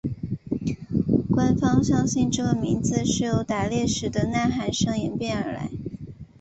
官方相信这个名字是由打猎时的呐喊声演变而来。